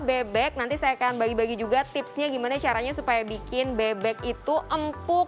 bebek nanti saya akan bagi bagi juga tipsnya gimana caranya supaya bikin bebek itu empuk